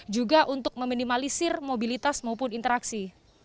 juga untuk meminimalisir mobilitas maupun interaksi